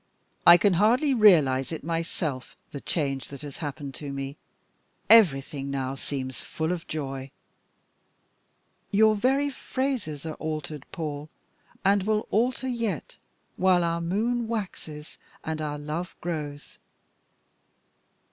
"I can hardly realise it myself, the change that has happened to me. Everything now seems full of joy." "Your very phrases are altered, Paul, and will alter more yet, while our moon waxes and our love grows."